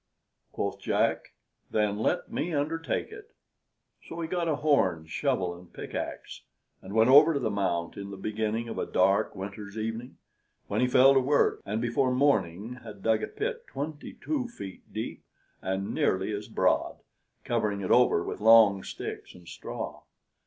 Quoth Jack, "Then let me undertake it." So he got a horn, shovel, and pickaxe, and went over to the Mount in the beginning of a dark winter's evening, when he fell to work, and before morning had dug a pit twenty two feet deep, and nearly as broad, covering it over with long sticks and straw.